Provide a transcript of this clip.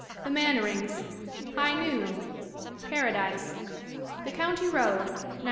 The Mannerings. High Noon. Paradise. The County Road, 1906.